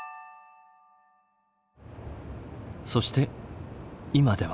そして今では。